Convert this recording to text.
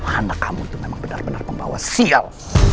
anak kamu itu memang benar benar pembawa sial